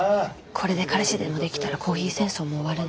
これで彼氏でもできたらコーヒー戦争も終わるね。